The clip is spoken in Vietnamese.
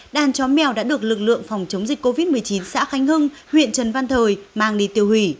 đàn chó mèo đã được lực lượng phòng chống dịch covid một mươi chín xã khánh hưng huyện trần văn thời mang đi tiêu hủy